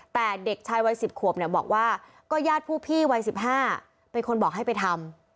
แต่เด็กชายวัย๑๐ขวบเนี่ยบอกว่าก็ญาติผู้พี่วัย๑๕เป็นคนบอกให้ไปทำ